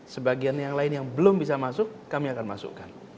sebagian yang lain yang belum bisa masuk kami akan masukkan